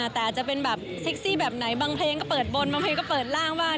แต่อาจจะเป็นแบบเซ็กซี่แบบไหนบางเพลงก็เปิดบนบางเพลงก็เปิดร่างบ้าง